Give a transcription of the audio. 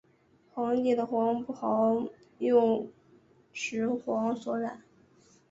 皇帝的黄袍用柘黄所染。